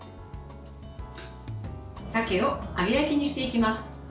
鮭を揚げ焼きにしていきます。